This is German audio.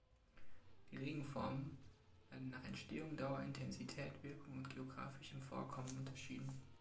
Die Regenformen werden nach Entstehung, Dauer, Intensität, Wirkung und geografischem Vorkommen unterschieden.